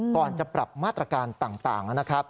ก่อนจะปรับมาตรการต่างนะครับ